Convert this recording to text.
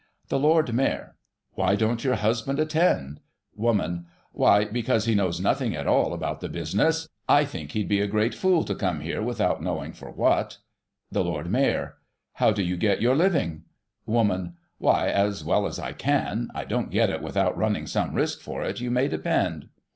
The Lord Mayor: Why don't your husband attend? Womein : Why, because he knows nothing at all about the' business. I think he'd be a great fool to come here without knowing for what The Lord Mayor : How do you get your living ? Woman : Why, as well as I can. I don't get it without running some risk for it, you may depend.